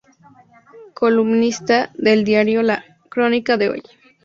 Columnista del diario La Crónica de Hoy.